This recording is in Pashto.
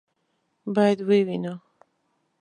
باید ویې وینو.